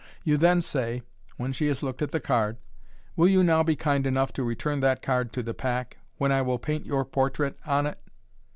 You then say, when she has looked at the card, " Will you now be kind enough to return that card to the pack, when I will paint your portrait on it."